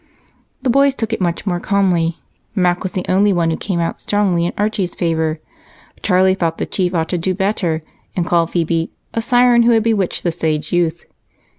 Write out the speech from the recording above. The boys took it much more calmly. Mac was the only one who came out strongly in Archie's favor. Charlie thought the Chief ought to do better and called Phebe "a siren who had bewitched the sage youth."